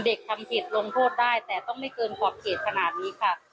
เด็กทำผิดลงโทษได้แต่ต้องไม่เกินขอบเขตขนาดนี้ค่ะ